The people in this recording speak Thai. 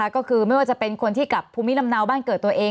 ก็คือไม่ว่าจะเป็นคนที่กับภูมิลำเนาบ้านเกิดตัวเอง